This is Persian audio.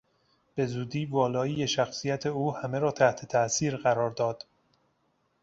به زودی والایی شخصیت او همه را تحت تاثیر قرار داد.